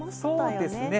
そうですね。